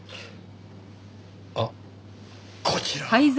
あっこちら。